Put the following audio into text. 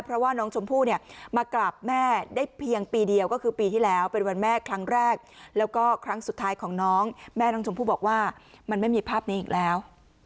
เพราะว่าน้องชมพู่เนี่ยมากราบแม่ได้เพียงปีเดียวก็คือปีที่แล้วเป็นวันแม่ครั้งแรกแล้วก็ครั้งสุดท้ายของน้องแม่น้องชมพู่บอกว่ามันไม่มีภาพนี้อีกแล้ว